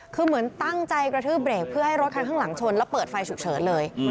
คือเหมือนตั้งใจกระทืบเบรกเพื่อให้รถคันข้างหลังชนแล้วเปิดไฟฉุกเฉินเลย